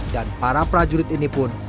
dan para prajurit ini pun